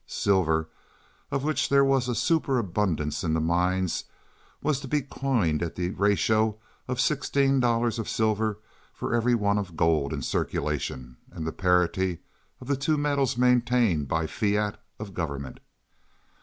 Silver, of which there was a superabundance in the mines, was to be coined at the ratio of sixteen dollars of silver for every one of gold in circulation, and the parity of the two metals maintained by fiat of government.